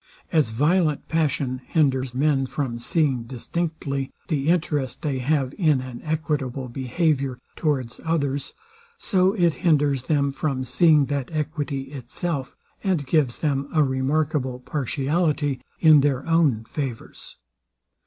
As violent passion hinder men from seeing distinctly the interest they have in an equitable behaviour towards others; so it hinders them from seeing that equity itself, and gives them a remarkable partiality in their own favours.